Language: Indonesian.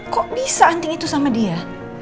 kok bisa anting itu sama dia